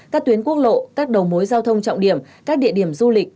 các tuyến quốc lộ các đầu mối giao thông trọng điểm các địa điểm du lịch